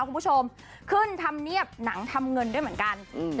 คุณผู้ชมขึ้นธรรมเนียบหนังทำเงินด้วยเหมือนกันอืม